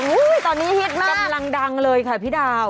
ตอนนี้ฮิตมากกำลังดังเลยค่ะพี่ดาว